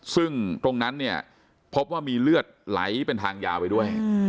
ซึ่งตรงนั้นเนี่ยพบว่ามีเลือดไหลเป็นทางยาวไปด้วย